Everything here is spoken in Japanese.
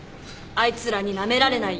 あいつらになめられないように。